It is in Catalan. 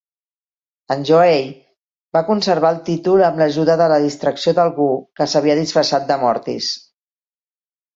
En Joey va conservar el títol amb l'ajuda de la distracció d'algú que s'havia disfressat de Mortis.